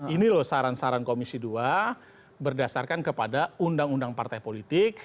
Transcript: ini loh saran saran komisi dua berdasarkan kepada undang undang partai politik